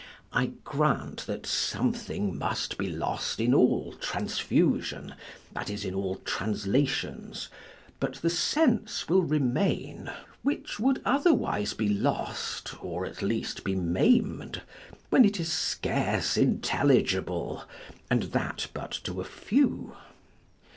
I grant that something must be lost in all transfusion, that is, in all translations; but the sense will remain, which would otherwise be lost, or at least be maim'd, when it is scarce intelligible; and that but to a few.